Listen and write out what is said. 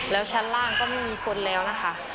แล้วชั้นล่างก็ไม่มีคนแล้วนะคะ